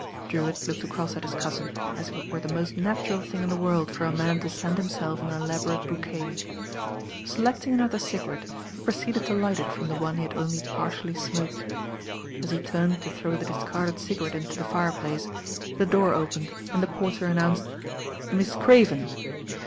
Drewitt looked across at his cousin as if it were the most natural thing in the world for a man to send himself an elaborate bouquet. Selecting an* other cigarette, he proceeded to light it from the one he had only partially smoked. As he turned to throw the discarded cigarette into the fireplace, the door opened and the porter announced — "Miss Craven."